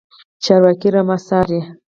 چرواکی رمه څاري.